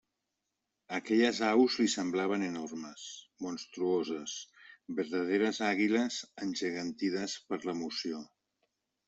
Aquelles aus li semblaven enormes, monstruoses, verdaderes àguiles, engegantides per l'emoció.